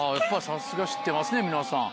さすが知ってますね皆さん。